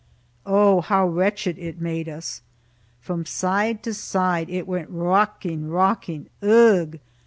Oh, how wretched it made us! From side to side it went rocking, rocking. Ugh!